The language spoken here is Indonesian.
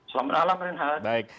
selamat malam renhar